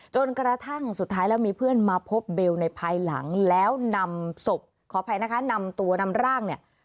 จนกระทั่งสุดท้ายแล้วมีเพื่อนมาพบเบลในภายหลังแล้วนำศพขออภัยนะคะนำตัวนำร่างเนี่ย